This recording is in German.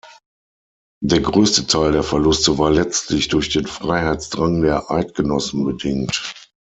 Der größte Teil der Verluste war letztlich durch den Freiheitsdrang der Eidgenossen bedingt.